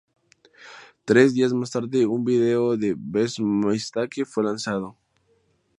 Tres días más tarde, un vídeo para "Best Mistake" fue lanzado.